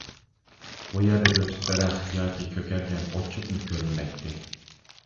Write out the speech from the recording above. بۇ يەردە بىر تۈپ دەرەخ ياكى كۆكەرگەن ئوت-چۆپمۇ كۆرۈنمەيتتى.